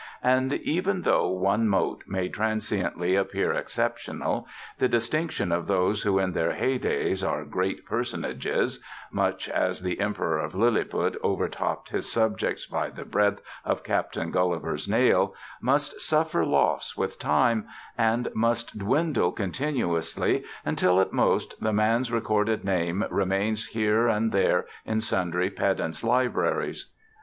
And even though one mote may transiently appear exceptional, the distinction of those who in their heydays are "great" personages much as the Emperor of Lilliput overtopped his subjects by the breadth of Captain Gulliver's nail must suffer loss with time, and must dwindle continuously, until at most the man's recorded name remains here and there in sundry pedants' libraries.